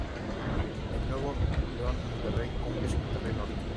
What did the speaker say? En Nuevo León: Monterrey Cumbres y Monterrey Norte.